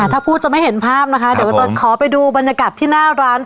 ถ้าพูดจะไม่เห็นภาพนะคะเดี๋ยวจะขอไปดูบรรยากาศที่หน้าร้าน